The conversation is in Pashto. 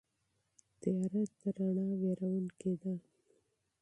تیاره تر رڼا وېروونکې ده.